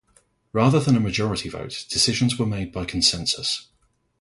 Rather than a majority vote, decisions were made by consensus.